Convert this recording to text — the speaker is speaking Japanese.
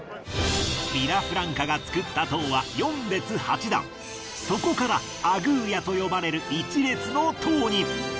ヴィラフランカが作った塔はそこからアグーヤと呼ばれる１列の塔に。